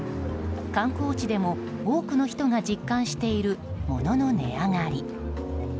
観光地でも多くの人が実感している物の値上がり。